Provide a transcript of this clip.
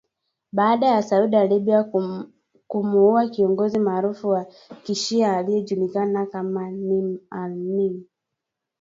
Baada ya Saudi Arabia kumuua kiongozi maarufu wa kishia, aliyejulikana kama Nimr al-Nimr